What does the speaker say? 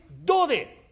どうでえ！」。